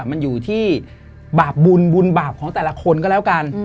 มันอยู่ที่บาปบุญบุญบาปของแต่ละคนก็แล้วกัน